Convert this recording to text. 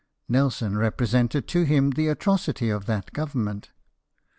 Nelson represented to him the atrocity of that Government.